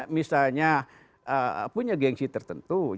misalnya punya gengsi tertentu